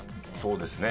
そうですね。